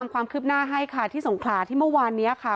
ความคืบหน้าให้ค่ะที่สงขลาที่เมื่อวานนี้ค่ะ